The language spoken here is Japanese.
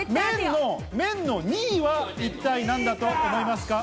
麺の２位は一体何だと思いますか？